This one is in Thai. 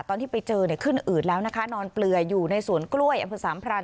ตอนที่ไปเจอเนี่ยขึ้นอืดแล้วนะคะนอนเปลือยอยู่ในสวนกล้วยอำเภอสามพราน